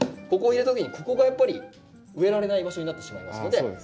ここを入れた時にここがやっぱり植えられない場所になってしまいますので１